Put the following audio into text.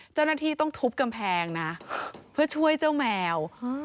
เจ้าหน้าที่ต้องทุบกำแพงนะเพื่อช่วยเจ้าแมว